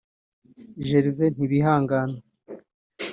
Gervain Ntibihangana